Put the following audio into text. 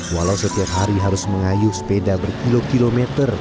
walau setiap hari harus mengayuh sepeda berkilo kilometer